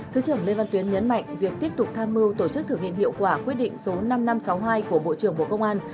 thứ trưởng lê văn tuyến nhấn mạnh việc tiếp tục tham mưu tổ chức thực hiện hiệu quả quyết định số năm nghìn năm trăm sáu mươi hai của bộ trưởng bộ công an